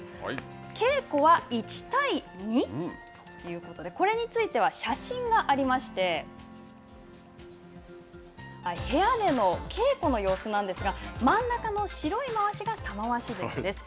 稽古は１対２！？ということで、これについては写真がありまして部屋での稽古の様子なんですが、真ん中の白いまわしが玉鷲関です。